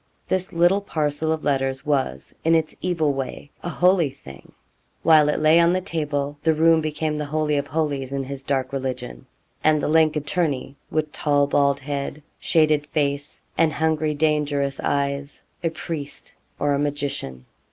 This little parcel of letters was, in its evil way, a holy thing. While it lay on the table, the room became the holy of holies in his dark religion; and the lank attorney, with tall bald head, shaded face, and hungry dangerous eyes, a priest or a magician.